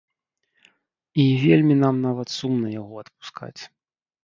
І вельмі нам нават сумна яго адпускаць.